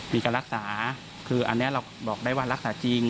มีการรักษาคืออันนี้เราบอกได้ว่ารักษาจริง